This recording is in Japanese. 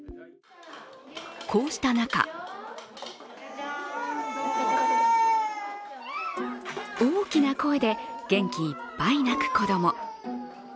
こうした中大きな声で元気いっぱい泣く子供。